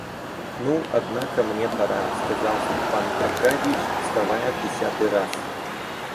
Ну, однако мне пора, — сказал Степан Аркадьич, вставая в десятый раз.